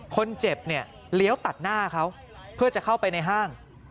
คนเจ็บเนี่ยเลี้ยวตัดหน้าเขาเพื่อจะเข้าไปในห้าง